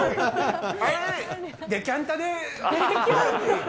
デキャンタで。